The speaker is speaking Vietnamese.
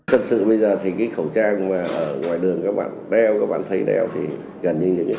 thật sự bây giờ thì cái khẩu trang mà ở ngoài đường các bạn đeo các bạn thấy đeo thì gần như những